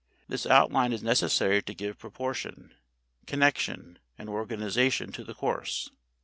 This outline is necessary to give proportion, connection and organization to the course.